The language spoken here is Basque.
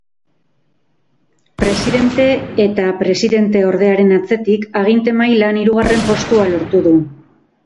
Presidente eta presidenteordearen atzetik, aginte mailan hirugarren postua lortu du.